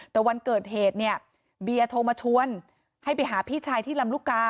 แต่วันเกิดเหตุเนี่ยเบียร์โทรมาชวนให้ไปหาพี่ชายที่ลำลูกกา